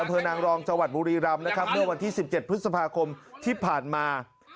อเภอนางรองจบุรีรำด้วยวันที่๑๗พฤษภาคมที่ผ่านมา